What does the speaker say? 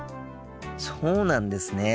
そうなんですね。